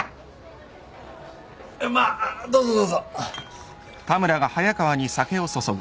まあどうぞどうぞ。